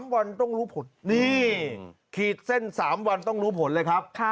๓วันต้องรู้ผลนี่ขีดเส้น๓วันต้องรู้ผลเลยครับ